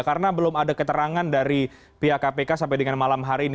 karena belum ada keterangan dari pihak kpk sampai dengan malam hari ini